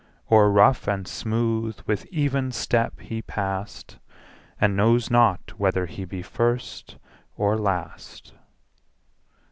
O'er rough and smooth with even step he pass'd, 10 And knows not whether he be first or last.